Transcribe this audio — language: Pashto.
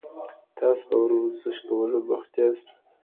تاسو په ورزش کولو بوخت یاست.